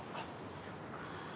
そっか。